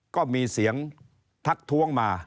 ก็มีเสียงทักท้วงมา